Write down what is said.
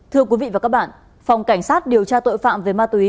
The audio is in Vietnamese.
thưa quý vị và các bạn phòng cảnh sát điều tra tội phạm về ma túy